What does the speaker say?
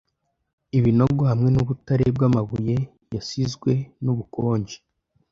Ibinogo hamwe nubutare bwamabuye yasizwe nubukonje